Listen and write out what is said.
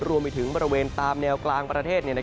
รวมไปถึงบริเวณตามแนวกลางประเทศ